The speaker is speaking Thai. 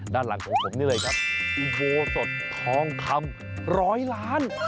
ด้านหลังของผมนี่เลยครับอุโบสดทองคำร้อยล้าน